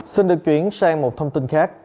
xin được chuyển sang một thông tin khác